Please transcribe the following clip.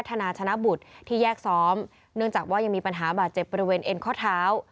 ธนาชนะบุตรที่แยกซ้อมเนื่องจากว่ายังมีปัญหาบาดเจ็บบริเวณเอ็นข้อเท้า